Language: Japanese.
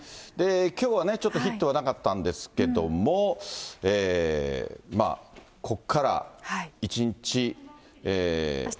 きょうはちょっとヒットはなかったんですけども、ここから１日移動日。